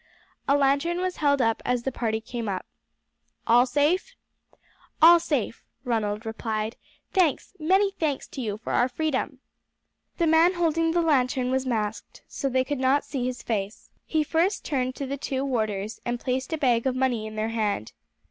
A lantern was held up as the party came up. "All safe?" "All safe," Ronald replied. "Thanks, many thanks to you for our freedom." The man holding the lantern was masked, so they could not see his face. He first turned to the two warders, and placed a bag of money in their hand.